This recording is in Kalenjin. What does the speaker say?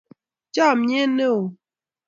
Chamyet ne o.